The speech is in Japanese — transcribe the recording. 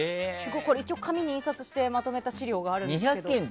一応、紙に印刷してまとめた資料があるんですけど。